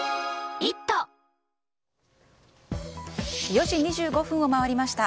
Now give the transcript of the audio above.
４時２５分を回りました。